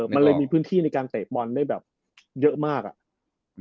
มันเลยมีพื้นที่ในการเตะบอลได้แบบเยอะมากอ่ะ